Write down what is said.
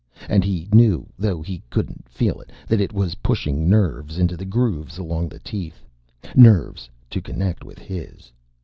And he knew, though he couldn't feel it, that it was pushing nerves into the grooves along the teeth. Nerves to connect with his.